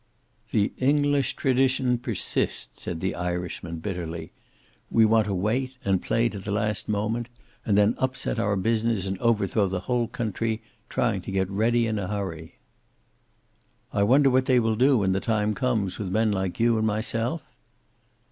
"The English tradition persists," said the Irishman, bitterly. "We want to wait, and play to the last moment, and then upset our business and overthrow the whole country, trying to get ready in a hurry. "I wonder what they will do, when the time comes, with men like you and myself?"